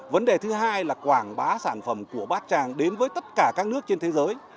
vấn đề thứ hai là quảng bá sản phẩm của bát tràng đến với tất cả các nước trên thế giới